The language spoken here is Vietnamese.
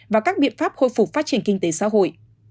và các biện pháp khôi phục phát triển kinh tế xã hội